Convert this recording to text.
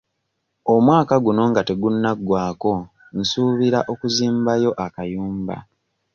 Omwaka guno nga tegunnaggwako nsuubira okuzimbayo akayumba.